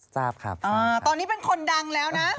ทราบครับตอนนี้เป็นคนดังแล้วนะ